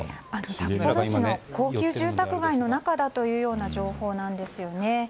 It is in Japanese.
札幌市の高級住宅街の中だというような情報なんですよね。